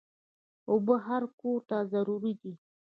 اوبه هر کور ته ضروري دي.